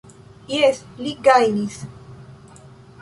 Jes, li gajnis.